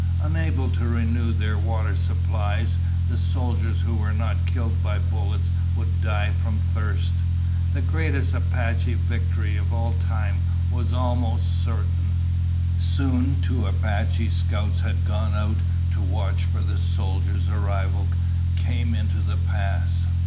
Unable to renew their water supplies, the soldiers who were not killed by bullets would die from thirst. The greatest Apache victory of all time was almost certain. Soon two Apache scouts who had gone out to watch for the soldiers' arrival came into the pass.